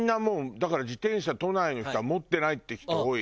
だから自転車都内の人は持ってないって人多い。